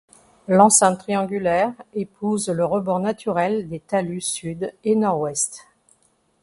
L'enceinte triangulaire épouse le rebord naturel des talus sud et nord-ouest.